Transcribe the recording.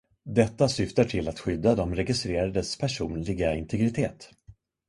Detta syftar till att skydda de registrerades personliga integritet.